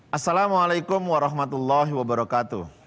assalamualaikum warahmatullahi wabarakatuh